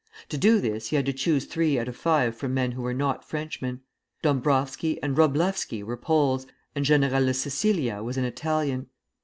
To do this he had to choose three out of five from men who were not Frenchmen. Dombrowski and Wroblewski were Poles, and General La Cecilia was an Italian.